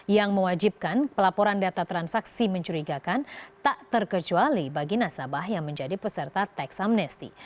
yang mewajibkan pelaporan data transaksi mencurigakan tak terkecuali bagi nasabah yang menjadi peserta teks amnesti